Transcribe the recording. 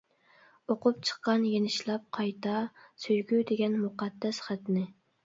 ئوقۇپ چىققان يېنىشلاپ قايتا، سۆيگۈ دېگەن مۇقەددەس خەتنى.